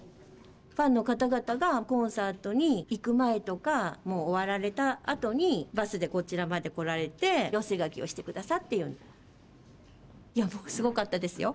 ファンの方々がコンサートに行く前とかもう終わられたあとにバスでこちらまで来られてすごかったですよ